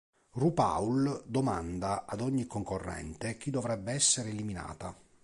RuPaul domanda ad ogni concorrente chi dovrebbe essere eliminata.